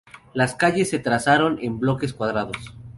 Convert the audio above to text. Las calles se trazaron en bloques cuadrados.